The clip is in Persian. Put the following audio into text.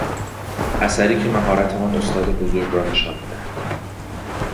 اثری که مهارت آن استاد بزرگ را نشان میدهد